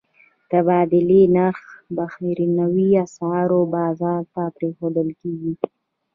د تبادلې نرخ بهرنیو اسعارو بازار ته پرېښودل کېږي.